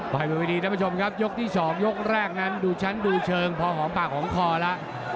ไปบนวิธีท่านผู้ชมครับยกที่๒ยกแรกนั้นดูชั้นดูเชิงพอหอมปากหอมคอแล้ว